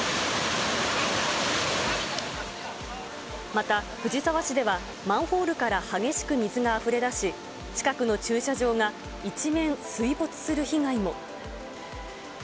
また、藤沢市ではマンホールから激しく水があふれ出し、近くの駐車場が一面、水没する被害も。